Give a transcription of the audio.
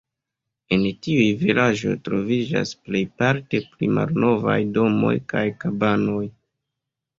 En tiuj vilaĝoj troviĝas plejparte pli malnovaj domoj kaj kabanoj.